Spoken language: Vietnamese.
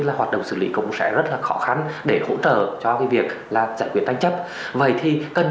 là hoạt động xử lý cũng sẽ rất là khó khăn để hỗ trợ cho cái việc là giải quyết tranh chấp vậy thì cần